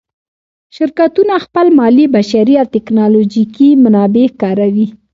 شرکتونه خپل مالي، بشري او تکنالوجیکي منابع کاروي.